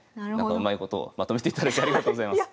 うまいことまとめていただいてありがとうございます。